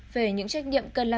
về những trách nhiệm cần làm